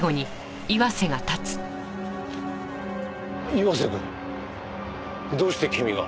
岩瀬くんどうして君が？